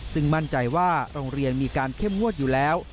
ซึ่งมั่นใจว่าโรงเรียนมีการเข้มงวดอยู่แล้ว